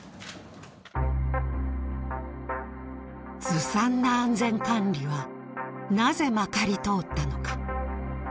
ずさんな安全管理はなぜまかり通ったのか。